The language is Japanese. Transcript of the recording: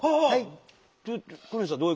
はい。